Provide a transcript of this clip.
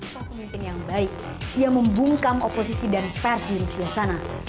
bukan pemimpin yang baik yang membungkam oposisi dan pers di rusia sana